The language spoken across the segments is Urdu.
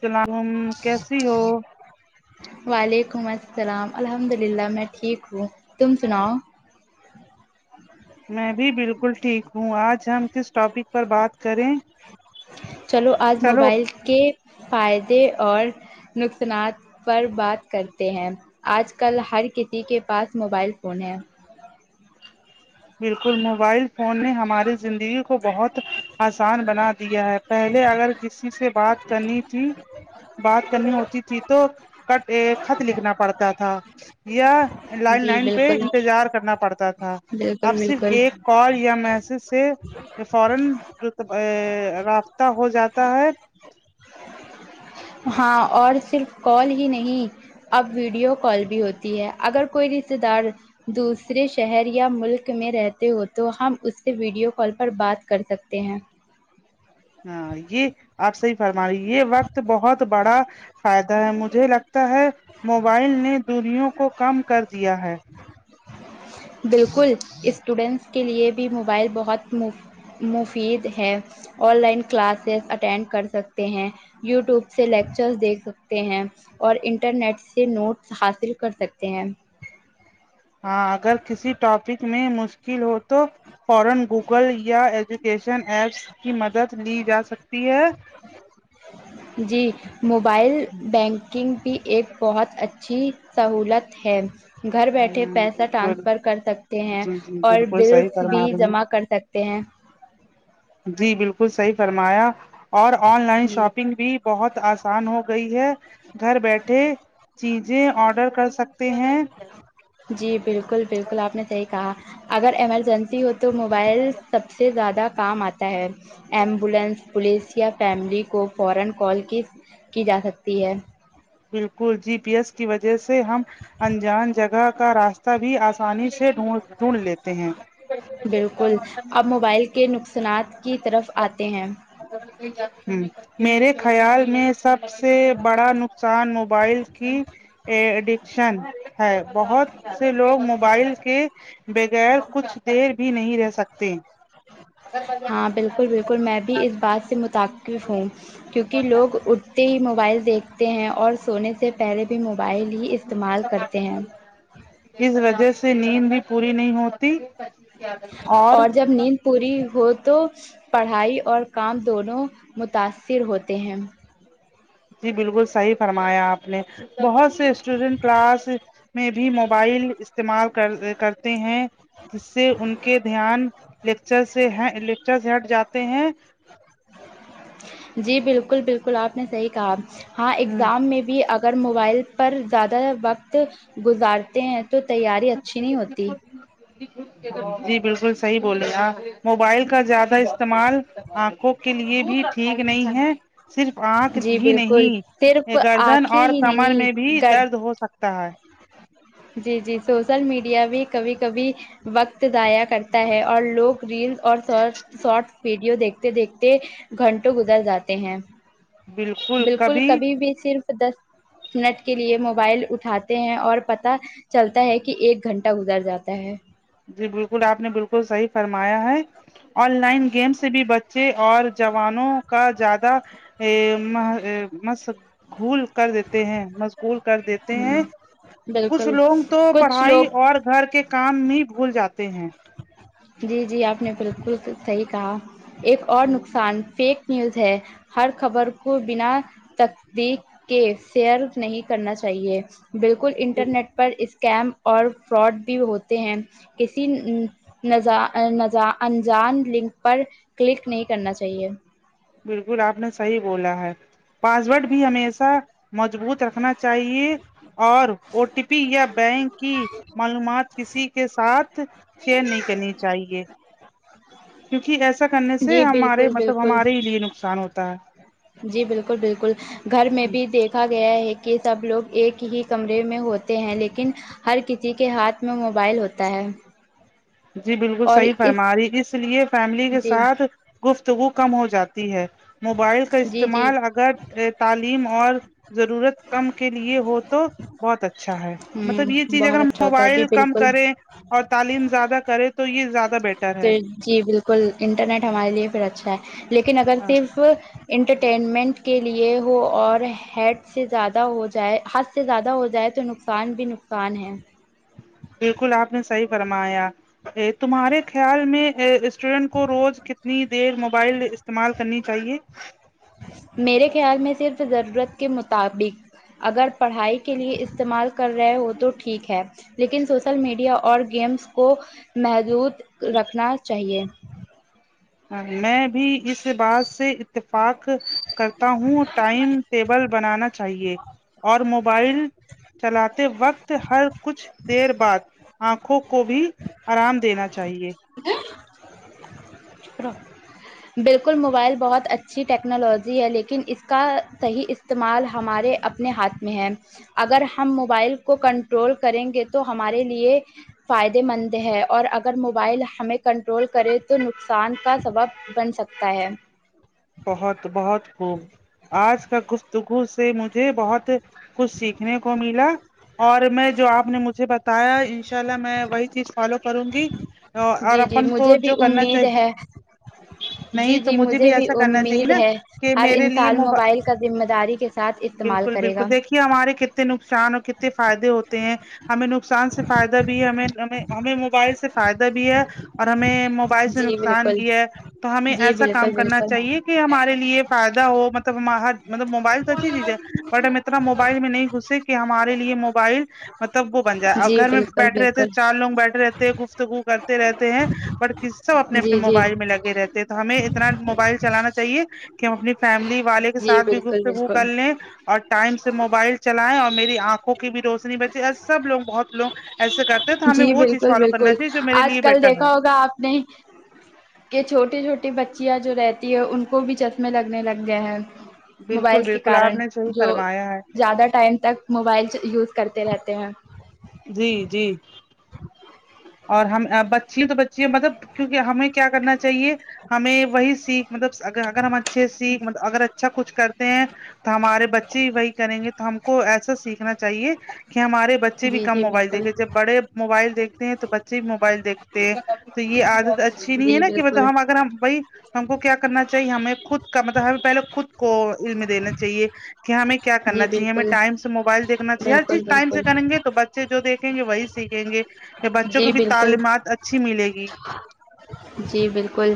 سلامم کیسی ہو وعلیکم السلام الحمد للہ میں ٹھیک ہوں تم سناؤ میں بھی بالکل ٹھیک ہوں آج ہم کس ٹاپک پر بات کریں چلو آج چلو موبائل کے فائدے اور نقصانات پر بات کرتے ہیں آج کل ہر کسی کے پاس موبائل فون ہے بالکل موبائل فون نے ہماری زندگی بہت آسان بنا دیا ہے پہلے اگر کسی سے بات کرنی تھی بات کرنی ہوتی تھی تو کٹ خط لکھنا پڑتا تھا یا لائن لائن پہ بالکل انتظار کرنا پڑتا تھا جی [unintelligible] اب صرف ایک کال یا میسج سے فورا رابطہ ہو جاتا ہے ہاں اور صرف کال ہی نہیں اب ویڈیو کال بھی ہوتی ہے اگر کوئی رشتے دار دوسرے شہر یا ملک میں رہتے ہو تو ہم اس سے ویڈیو کال پر بات کر سکتے ہیں ہاں یہ آپ صحیح فرما رہ یہ وقت بہت بڑا فائدہ ہے مجھے لگتا ہے موبائل نے دوریوں کو کم کر دیا ہے بالکل اسٹوڈنٹس کےلے بھی موبائل بہت مفت مفید ہیں آن لائن کلاسز اٹینڈ کر سکتے ہیں یو ٹیوب سے لیکچرس دیکھ سکتے ہیں اور انٹرنیٹ سے نوٹس حاصل کر سکتے ہیں ہاں اگر کسی ٹاپک میں مشکل ہو تو فورن گوگل یا ایجوکیشن ایپس کی مدد لی جا سکتی ہے جی موبائل بینک کنگ بھی ایک بہت اچھی سہولت ہے گھر بیٹھے ہوں پیسہ بالکل ٹرانسفر کر سکتے ہیں جی جی اور بالکل بل صحیح فرما رہی ہیں کر سکتے ہیں جی بالکل صحیح فرمایا اور آن لائن جی شاپنگ بھی بہت آسان ہو گئی ہے گھر بیٹھے چیزیں آڈر کر سکتے ہیں جی بالکل بالکل آپ نے صحیح کہا اگر ایمرجنسی ہو تو موبائل سب سے زیادہ کام آتا ہے ایمبولینس پولیس یا فیملی کو فورا کال کی کی جا سکتی ہے بالکل جی پی ایس کی وجہ سے ہم انجان جگہ کا راستہ بھی آسانی سے ڈھون ڈھونڈ لیتے ہیں بالکل اب موبائل کے نقصانات کی طرف آتے ہیں ہمم میرے خیال میں سب سے بڑا ن قصان موبائل کی ا ایڈکشن ہے بہت سے لوگ موبائل کے بغیر کچھ دیر بھی نہیں رہ سکتے ہاں بالکل بالکل میں بھی اس بات سے متقف ہوں کیونکہ لوگ ا تے ہی موبائل دیکھتے ہیں اور سونے سے پہلے بھی موبائل ہی استعمال کرتے ہیں اس وجہ سے نیند بھی پوری نہیں ہوتی اور جب نیند پوری ہو تو پڑھائی اور کام دونوں متاثر ہوتے ہیں جی بالکل صحیح فرمایا آپ نے بہت سے اسٹوڈینٹ کلاس میں بھی موبائل استعمال کر کرتے ہیں جس سے ان کے دھیان لیکچر سے لیکچر سے ہٹ جاتے ہیں جی بالکل بالکل آپ نے صحیح کہا ہاں اگزام میں بھی اگر موبائل پر زیادہ وقت گزارتے ہیں تو تیاری اچھی نہیں ہوتی جی [inaudible] جی بالکل صحیح بولے آپ موبائل کا زیادہ استعمال آنکھوں کے لیے بھی ٹھیک نہیں ہے صرف آنکھ جی ہی بالکل نہیں صرف گردن آنکھیں اور ہی کمر میں نہیں بھی گر درد ہو سک تا ہے جی جی سوشل میڈیا بھی کبھی کبھی وقت ضائع کرتا ہے اور لوگ ریل اور شارٹ شارٹ ویڈیو دیکھتے دیکھتے گھنٹوں گزر جاتے ہیں بالکل کبھی بھی صرف دس منٹ کے لیے موبائل اٹھاتے ہیں اور پتا چلتا ہے کہ ایک گھنٹہ گزر جاتا ہے جی بالکل آپ نے بالکل صحیح فرمایا ہے آن لائن گیم سے بھی بچے اور جوانوں کا زیادہ ا م مست گھول کر دیتے ہیں مشغول کر دیتے ہ ہیں کچھ بالکل لوگ تو کچھ پڑھائی لوگ اور گھر کے کام ہی بھول جاتے ہیں جی جی آپ نے بالکل صحیح کہا ایک اور نقصان فیک نیوز ہے ہر خبر کو بنا تقدیق کے شیئر نہیں کرنا چاہیے بالکل انٹرنیٹ پر اسکیم اور فراڈ بھی ہوتے ہیں کسی نا جا نا جا انجان لنک پر کلک نہیں کرنا چاہیے بالکل آپ نے صحیح بولا ہے پاسورڈ بھی ہمیشہ مضبوط رکھنا چاہیے اور او ٹی پی یا بینک کی معلومات کسی کے ساتھ شیئر نہیں کرنی چاہیے کیونکہ ایسا کرنے سے جی ہمارے بالکل مطلب بالکل ہمارے ہی لیے نقصان ہوتا ہے جی بالکل بالکل گھر میں بھی دیکھا گیا ہے کہ سب لوگ ایک ہی کمرے میں ہوتے ہیں لیکن ہر کسی کے ہاتھ میں موبائل ہوتا ہے جی بالکل اور صحیح اس فرما رہی اس لیے فیملی کے جی ساتھ گفتگو کم ہو جاتی ہے موبائل کا جی جی استعمال اگر تعلیم اور ضرورت کم کے لیے ہو تو بہت اچھا ہے مطلب یہ ہ چیز بہت اگر اچھا ہوتا ہے جی موبائل کم بالکل کریں اور تعلیم زیادہ کرے تو یہ زیادہ بیٹر ہے پھر جی بالکل انٹرنیٹ ہمارے لیے پھر اچھا ہے لیکن اگر ہاں صرف انٹرٹینمنٹ کے لیے ہو اور ہیڈ سے زیادہ ہو جائے حد سے زیادہ ہو جائے تو نقصان بھی ن کان ہے بالکل آپ نے صحیح فرمایا ا تمہارے خیال میں اسٹوڈنٹ کو روز کتنی دیر موبائل استعمال کرنی چاہیے میرے خیال میں صرف ضرورت کے مطابق اگر پڑھائی کے لیے استعمال کر رہے ہیں وہ تو ٹھیک ہے لیکن سوشل میڈیا اور گیمس کو محدود رکھنا چاہیے میں بھی اس بات سے اتفاق کرتا ہوں ٹائم ٹیبل بنانا چاہیے اور موبائل چلاتے وقت ہر کچھ دیر بعد آنکھوں کو بھی آرام دینا چاہیے اں [unintelligible] بالکل موبائل بہت اچھی ٹیکنالوجی ہے لیکن اس کا صحیح اس استعمال ہمارے اپنے ہاتھ میں ہیں اگر ہم موبائل کو کنٹرول کریں گے تو ہمارے لیے فائدے مند ہے اور اگر موبائل ہمیں کنٹرول کرے تو سان کا سبب بن سکتا ہے بہت بہت خوب آج کا گفتگو سے مجھے بہت کچھ سیکھنے کو ملا اور میں جو آپ نے مجھے بتایا انشاء اللہ میں وہی چیز فالو کروں گی اور جی جی اپن کو مجھے بھی جو کرنا امید چاہیے ہے جی نہیں تو جی مجھے بھی ایسا کرنا چاہیے امید نا ہے کہ ہر میرے لیے انسان موبائل کا ذمہ داری کے ساتھ استعمال کرے گا کہ ہمارے کتے نقصان اور کتے فائدے ہوتے ہیں ہمیں نقصان سے فائدہ بھی ہے ہمیں ہمیں موبائل سے فائدہ بھی ہے اور ہمیں مو بائل سے جی نقصان بالکل بھی ہے تو ہمیں جی ایسا کام بالکل کرنا چاہیے بالکل کہ ہمارے لیے فائدہ ہو مطلب م حد مطلب موبائل تو اچھی چیز ہے بٹ ہم اتنا موبائل میں نہیں گھسے کہ ہمارے لیے موبائل مطلب وہ بن جائے اور جی گھر میں بالکل بیٹھے بالکل رہتےچار لوگ بیٹھے رہتے ہیں گفتگو کرتے رہتے ہیں پر کے سب اپنے اپنے جی جی موبائل میں لگے رہتے تو ہمیں اتنا موبائل چلانا چاہیے کہ ہم اپنی فیملی والے کے جی ساتھ بھی بالکل گفتگو کر بالکل لیں اور ٹائم سے موبائل چلائیں اور میری آنکھوں کی بھی روشنی بچے سب لوگ بہت لوگ ایسے کرتے ہیں تو ہمیں جی وہ چیز بالکل فالو بالکل کرنا چاہیے جو میرے آج لیے کل بیٹر ہے دیکھا ہوگا آپ نے کہ چھوٹی چھوٹی بچیاں جو رہتی ہے ان کو بھی چشمے لگنے لگ گئے ہیں بالکل موبائل کے بالکل کارن آپ نے صحیح جو فرمایا ہے زیادہ ٹائم تک موبائل یوز کرتے رہتے ہیں جی جی اور ہم بچیاں تو بچیاں مطلب کیونکہ ہمیں کیا کرنا چاہیے ہمیں وہی سیکھ مطلب اگر ہم اچھے سیکھ اگر اچ اچھا کچھ کرتے ہیں تو ہمارے بچے وہی کریں گے تو ہم کو ایسا سیکھنا چاہیے کہ ہمارے بچے بھی جی کم جی موبائل بالکل دیکھے جب بڑے موبائل دیکھتے ہیں تو بچے بھی موبائل دیکھتے ہیں تو یہ عادت اچھی نہیں ہے جی نا کہ بالکل مطلب ہم اگر ہم بائی ہم کو کیا کرنا چاہیے ہمیں خود کا مطلب ہمیں پہلے خود کو علم دینا چاہیے کہ ہمیں کیا کرنا جی چاہے ہمیں بالکل ٹائم سے موبائل دیکھنا چاہیے ہر چیز بالکل ٹائم سے بالکل کریں گے ب چبے جو دیکھیں گے وہی سیکھیں گے یا بچوں جی کو بھی بالکل تعلیمات اچھی ملے گی جی بالکل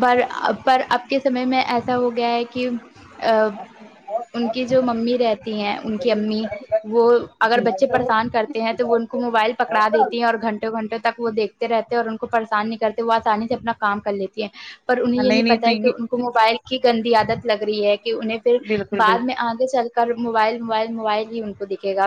بر پر اب کے سمے میں ایسا ہو گیا ہے کہ اب ان کی جو ممی رہتی ہیں ان کی امی وہ اگر جی بچے پریشان نہیں کر ہیں تو وہ ان کو موبائل پکڑا دیتی ہیں اور گھنٹوں گھنٹوں تک وہ دیکھتے رہتے ہے اور ان کو پریشان نہیں کرتے وہ آسانی سے اپنا کام کر لیتی ہیں پر انہیں یہ نہیں پتا تو ہے کہ یہ ان کو موبائل کی گندی عادت لگ رہی ہے کہ انہیں پھر بالکل بالکل بعد میں آگے چل کر موبائل موبائل موبائل ہی ان کو دکھے گا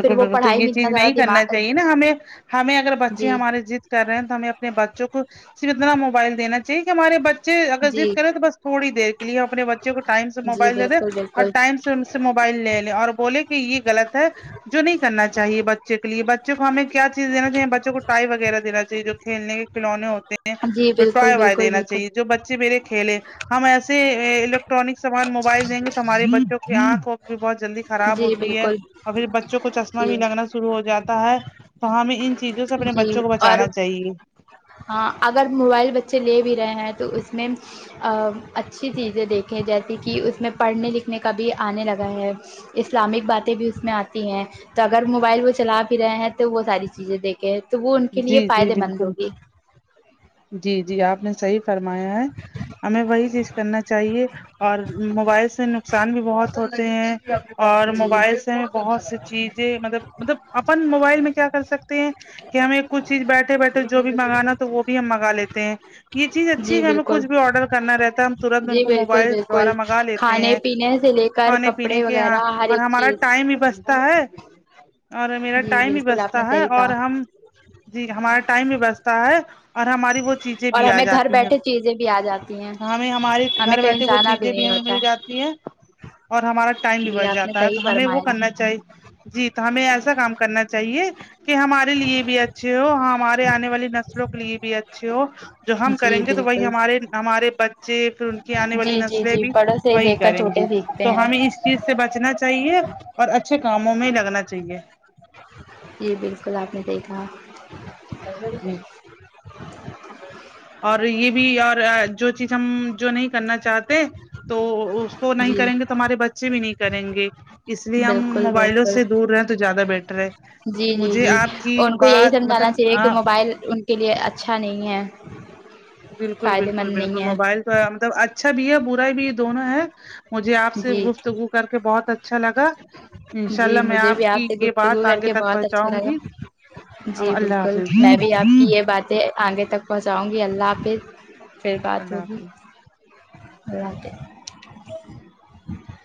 پھر وہ بالکل تو پڑھائی یہ میں چیز اتنا زیادہ نہیں کرنا دماغ چاہیے نا ہمیں ہمیں اگر بچے جی ہمارے زد کر رہے ہیں تو ہمیں اپنے بچوں کو اتنا موبائل دینا چاہیے کہ ہمارے بچے اگر جی زد کریں تو بس تھوڑی دیر کے لیے اپنے بچے بچے کو ٹائم سے جی موبائل دے دے بالکل بالکل وں سے ان سے موبائل لے لیں اور بولے کہ یہ غلط ہے جو نہیں کرنا چاہیے بچے کے لیے بچوں کو ہمیں کیا چیز دینا چاہیے بچوں کو ٹائی وغیرہ دینا چاہیے جو کھیلنے کھلونے ہوتے ہیں جی بالکل ٹوائے وائے بالکل دینا بالکل چاہیے جو بچے میرے کھیلے ہم ایسے الیکٹرانک سامان موبائل دیں گے تو ہمارے بچوں کی آنکھوں کو بھی بہت جلدی خراب جی ہوتی ہے بالکل ابھی بچ بچوں کو چشمہ بھی جی لگنا شروع ہو جاتا ہے تو ہمیں ان چیزوں سے اپنے جی بچوں کو اور بچانا چاہیے ہاں اگر موبائل بچے لے بھی رہے ہیں تو اس میں آ اچھی چیزیں دیکھیں جیسے کہ اس میں پڑھنے لکھنے کا بھی آنے لگا ہے اسلامک باتیں بھی اس میں آتی ہیں تو اگر موبائل وہ چلا بھی رہے ہیں تو وہ ساری چیزیں دیکھ تے تو وہ ان کے لیے جی جی فائدے مند بالکل ہوگی جی جی آپ نے صحیح فرمایا ہے ہمیں وہی چیز کرنا چاہیے اور موبائل سے نقصان بھی بہت ہوتے ہیں اور جی موبائل سے بہت سی چیزیں مطلب مطلب اپن موبائل میں کیا کر سکتے ہیں کہ ہمیں کچھ چیز بیٹھے بیٹھے جو بھی منگانا تو وہ بھی ہم منگا لیتے ہیں یہ چیز اچھی جی ہے ہمیں بالکل کچھ بھی آرڈر کرنا رہتا ہے ہم ترنت ان جی کو بالکل موبائل بالکل دوارا منگا لیتے کھانے ہیں پینے سے لے کر کھانے پینے کپڑے کے یہاں وغیرہ ہر اور ایک ہمارا چیز ٹائم بھی بچتا ہے اور میرا جی ٹائم بھی بالکل آپ نے بچتا ہے صحیح اور کہا ہم جی ہمارا ٹائم بھی بچتا ہے اور ہماری وہ چیزیں اور بھی آ ہمیں گھر جاتی ہیں بیٹھے چیزیں بھی آ جاتی ہیں ہمیں ہماری ہمیں گھر کہیں بیٹھے وہ جانا چیزیں بھی نہیں ہمیں ہوتا مل جاتی ہیں اور ہمارا ٹائم بھی جی بچ آپ نے جاتا ہے صحیح تو ہمیں وہ فرمایا کرنا چاہیے جی تو ہمیں ایسا کام کرنا چاہیے کہ ہمارے لیے بھی اچھے ہو ہمارے آنے والی نسلوں کے لیے بھی اچھے ہو جو ہم کریں جی گے تو وہی بالکل ہم ہمارے ہمارے بچے پھر ان کی آنے والی جی جی نسلیں جی بھی بڑوں سے ہی وہی دیکھ کر کریں گی چھوٹے سیکھتے تو ہیں ہمیں اس چیز سے بچنا چاہیے اور اچھے کاموں میں لگنا چاہیے یہ بالکل آپ نے دیکھا جی اور یہ بھی اور جو چیز ہم جو نہیں کرنا چاہتے تو اس کو نہیں جی کریں گے ہمارے بچے بھی نہیں کریں گے اس لیے ہم بالکل موبائلوں بالکل سے دور رہے تو زیادہ بیٹر ہے جی جی مجھے جی آپ کی ان کو یہی بات سمجھانا مطلب چاہیے کہ ہاں موبائل ان کے لیے اچھا نہیں ہے بالکل فائدے بالکل مند بالکل نہیں ہے موبائل تو مطلب اچھا بھی ہے برا بھی ہے دونوں ہے مجھے آپ سے جی گفتگو کر کے بہت اچھا لگا ان شاء جی اللہ میں مجھے آپ بھی کی سے یہ بات کر آگے کے تک بہت اچھا پہنچاؤں گی لگا جی اللہ بالکل حافظ میں بھی آپ کی یہ بات آگے تک پہنچاؤں گی اللہ حافظ پھر بات اللہ ہوگی حافظ اوکے ہ [inaudible]